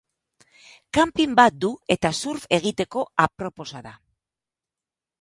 Kanpin bat du eta surf egiteko aproposa da.